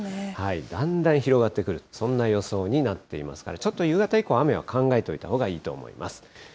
だんだん広がってくる、そんな予想になっていますから、ちょっと夕方以降、雨は考えておいたほうがいいと思います。